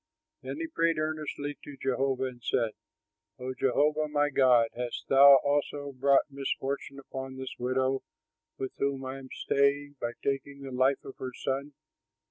Then he prayed earnestly to Jehovah and said, "O Jehovah, my God, hast thou also brought misfortune upon this widow, with whom I am staying, by taking the life of her son?"